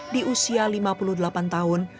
di usia lima puluh delapan tahun